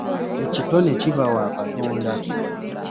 Ekitone kiva wa Katonda.